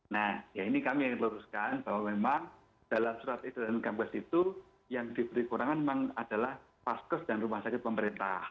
nah ya ini kami yang teluruskan bahwa memang dalam surat itu dan kampus itu yang diberi kurangan memang adalah paskus dan rumah sakit pemerintah